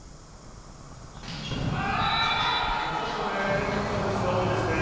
ちょっとネットに引っかかるミスが多いですね。